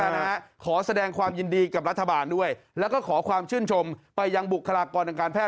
นะฮะขอแสดงความยินดีกับรัฐบาลด้วยแล้วก็ขอความชื่นชมไปยังบุคลากรทางการแพท